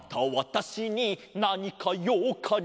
「あんたわたしになにかようかに？